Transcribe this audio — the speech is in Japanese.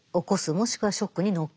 もしくはショックに乗っかる。